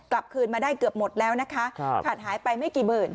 กลับคืนมาได้เกือบหมดแล้วนะคะขาดหายไปไม่กี่หมื่น